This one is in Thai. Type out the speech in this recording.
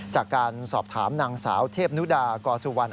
จากการสอบถามนางสาวเทพนุดากอสุวรรณ